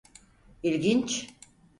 İlginç.